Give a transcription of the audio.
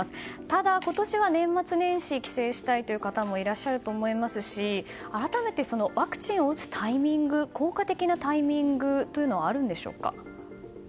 ただ、今年は年末年始帰省したいという方もいらっしゃると思いますし改めて、ワクチンを打つ効果的なタイミングはあるんでしょうか？